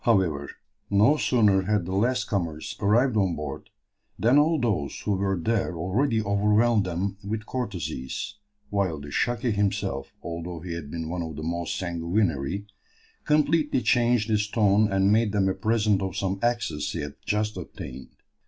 However, no sooner had the last comers arrived on board than all those who were there already overwhelmed them with courtesies, while the "Shaki" himself, although he had been one of the most sanguinary, completely changed his tone and made them a present of some axes he had just obtained.